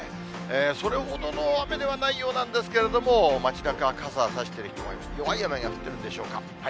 それほどの雨ではないようなんですけれども、街なか、傘を差してる方が、弱い雨が降ってるんでしょうか。